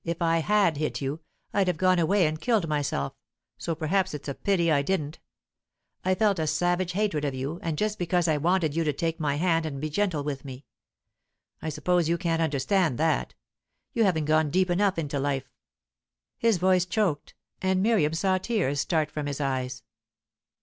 If I had hit you, I'd have gone away and killed myself; so perhaps it's a pity I didn't. I felt a savage hatred of you, and just because I wanted you to take my hand and be gentle with me. I suppose you can't understand that? You haven't gone deep enough into life." His voice choked, and Miriam saw tears start from his eyes.